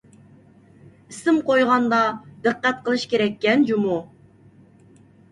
ئىسىم قويغاندا دىققەت قىلىش كېرەككەن جۇمۇ.